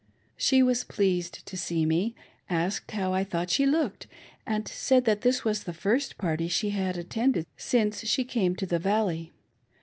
She was pleased to see me, asked me how I thought she looked, and Said that this was the first party she had attended since she came to the Valley.